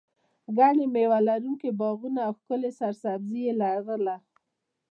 ګڼ مېوه لرونکي باغونه او ښکلې سرسبزي یې لرله.